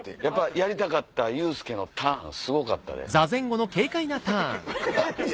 やりたかったユースケのターンすごかったで。